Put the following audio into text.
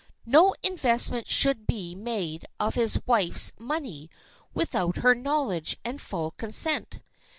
No investment should be made of his wife's money without her knowledge and full consent.